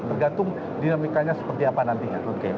bergantung dinamikanya seperti apa nantinya